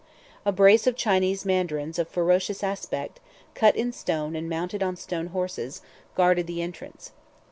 A brace of Chinese mandarins of ferocious aspect, cut in stone and mounted on stone horses, guarded the entrance.